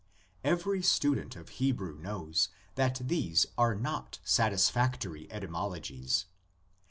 Every student of Hebrew knows that these are not satisfactory etymologies.